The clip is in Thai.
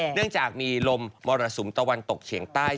เนื่องจากมีลมมรสุมตะวันตกเฉียงใต้